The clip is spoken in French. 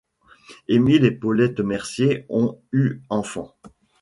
Émile et Paulette Mercier ont eu enfants.